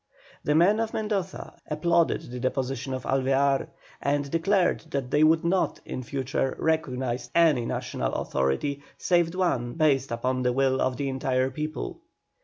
The men of Mendoza applauded the deposition of Alvear, and declared that they would not, in future, recognise any National authority save one based upon the will of the entire people.